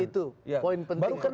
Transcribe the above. itu poin penting pertemuan ini